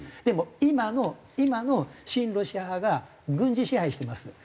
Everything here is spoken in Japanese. でも今の今の親ロシア派が軍事支配してます。